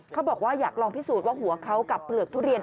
เขาบอกว่าอยากลองพิสูจน์ว่าหัวเขากับเปลือกทุเรียน